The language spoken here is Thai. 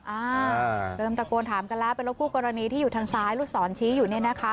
อ่าเริ่มตะโกนถามกันแล้วเป็นรถคู่กรณีที่อยู่ทางซ้ายลูกศรชี้อยู่เนี่ยนะคะ